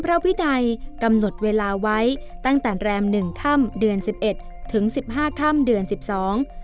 พระวินัยกำหนดเวลาไว้ตั้งแต่แรมหนึ่งค่ำเดือนสิบเอ็ดถึงสิบห้าค่ำเดือนสิบสอง